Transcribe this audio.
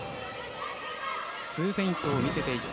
２フェイントを見せていった。